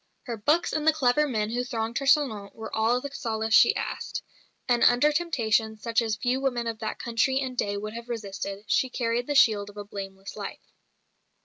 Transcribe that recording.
Her books and the clever men who thronged her salon were all the solace she asked; and under temptation such as few women of that country and day would have resisted, she carried the shield of a blameless life.